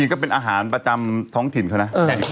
มันก็เป็นอาหารประจำท้องถิ่นเท่านั้นนะ